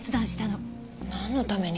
なんのために？